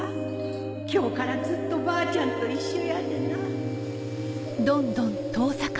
今日からずっとばあちゃんと一緒やでな。